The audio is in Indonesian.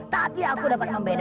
tapi aku dapat mengibuli